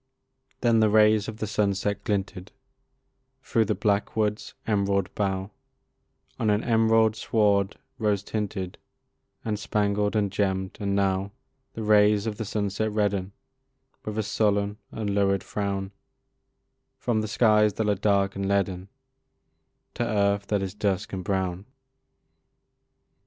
Then the rays of the sunset glinted Through the blackwoods' emerald bough On an emerald sward, rose tinted, And spangled, and gemm'd; and now The rays of the sunset redden With a sullen and lurid frown, From the skies that are dark and leaden, To earth that is dusk and brown.